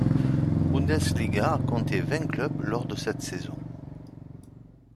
Bundesliga a compté vingt clubs lors de cette saison.